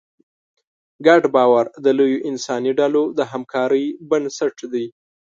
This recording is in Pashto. ګډ باور د لویو انساني ډلو د همکارۍ بنسټ دی.